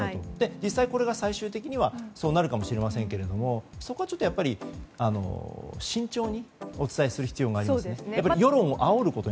実際これが最終的にはそうなるかもしれませんけれどもそこはやっぱり慎重にお伝えする必要がありますね。